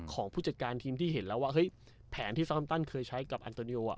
ของผู้จัดการทีมที่เห็นแล้วว่าเฮ้ยแผนที่ซ้อมตันเคยใช้กับอันโตนิโอ